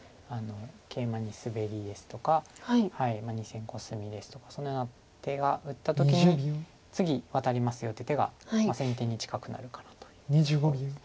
ケイマにスベリですとか２線コスミですとかそのような手が打った時に次ワタりますよっていう手が先手に近くなるかなというところです。